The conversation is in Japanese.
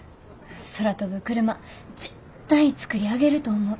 空飛ぶクルマ絶対作り上げると思う。